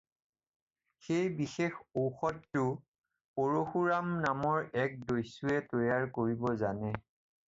সেই বিশেষ ঔষধটো পৰশুৰাম নামৰ এক দস্যুৱে তৈয়াৰ কৰিব জানে।